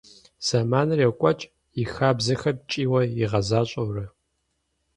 Зэманыр йокӏуэкӏ, и хабзэхэр ткӏийуэ игъэзащӏэурэ.